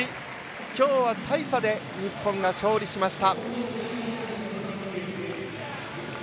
きょうは大差で日本が勝利しました。